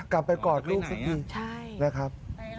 กลับไปกอดลูกสุดยอด